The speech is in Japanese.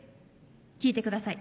聴いてください。